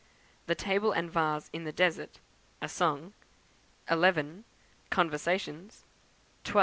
The Table and Vase in the Desert, a Song; 11. Conversations; 12.